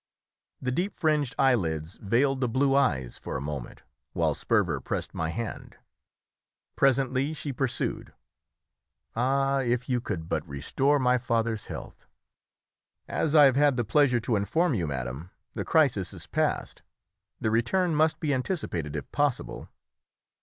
The deep fringed eyelids veiled the blue eyes for a moment, while Sperver pressed my hand. Presently she pursued "Ah, if you could but restore my father's health!" "As I have had the pleasure to inform you, madam, the crisis is past; the return must be anticipated, if possible."